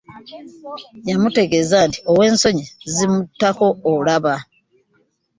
Yamutegeeza nti owensonyi zimutako alabo .